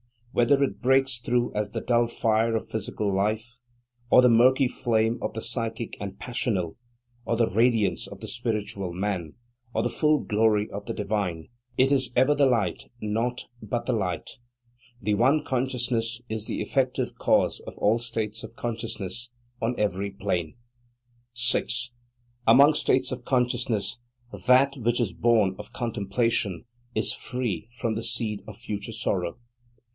Whether it breaks through as the dull fire of physical life, or the murky flame of the psychic and passional, or the radiance of the spiritual man, or the full glory of the Divine, it is ever the Light, naught but the Light. The one Consciousness is the effective cause of all states of consciousness, on every plane. 6. Among states of consciousness, that which is born of Contemplation is free from the seed of future sorrow.